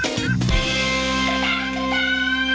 โปรดติดตามตอนต่อไป